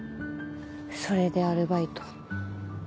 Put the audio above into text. それでアルバイト。